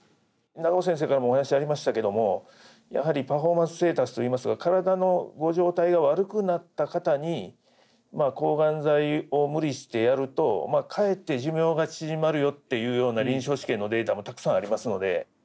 長尾先生からもお話ありましたけどもやはりパフォーマンスステータスといいますが体のご状態が悪くなった方に抗がん剤を無理してやるとかえって寿命が縮まるよっていうような臨床試験のデータもたくさんありますので。